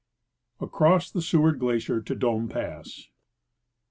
Across Seward Glacier to Dome Pass.